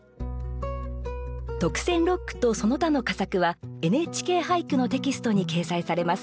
特選六句とその他の佳作は「ＮＨＫ俳句」のテキストに掲載されます。